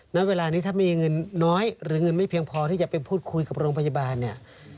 ณเวลานี้ถ้ามีเงินน้อยหรือเงินไม่เพียงพอที่จะไปพูดคุยกับโรงพยาบาลเนี่ย